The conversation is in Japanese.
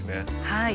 はい。